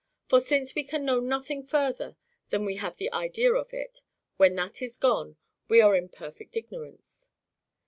For, since we can know nothing further than we have the idea of it, when that is gone, we are in perfect ignorance.